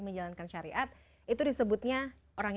selanjutnya yang sabtu ini